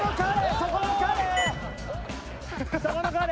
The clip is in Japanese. そこの彼！